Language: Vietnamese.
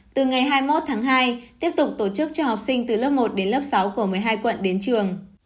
từ ngày hai mươi một tháng hai tiếp tục tổ chức cho học sinh từ lớp một đến lớp sáu của một mươi hai quận đến trường